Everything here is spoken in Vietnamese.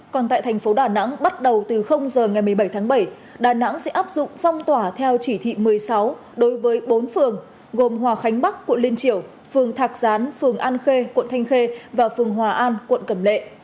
còn tại thành phố đà nẵng bắt đầu từ giờ ngày một mươi bảy tháng bảy đà nẵng sẽ áp dụng phong tỏa theo chỉ thị một mươi sáu đối với bốn phường gồm hòa khánh bắc quận liên triểu phường thạc gián phường an khê quận thanh khê và phường hòa an quận cẩm lệ